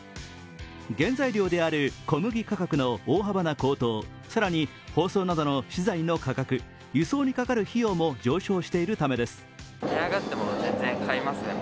原材料である小麦価格の大幅な高騰、更に包装などの資材の価格、輸送にかかる費用も上昇しているためです。